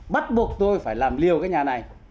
bắt buộc tôi phải làm liều cái nhà này